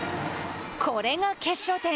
これが決勝点。